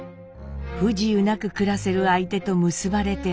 「不自由なく暮らせる相手と結ばれてほしい」。